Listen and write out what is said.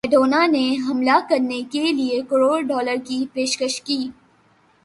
Madonna نے حاملہ کرنے کیلئے کروڑ ڈالر کی پیشکش کی